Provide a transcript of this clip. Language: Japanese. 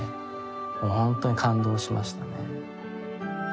もう本当に感動しましたね。